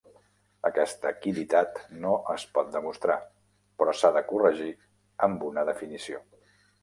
Aquesta quiditat no es pot demostrar, però s'ha de corregir amb una definició.